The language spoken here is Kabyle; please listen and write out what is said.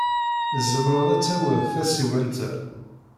Tzemred ad tawid tasiwant-a.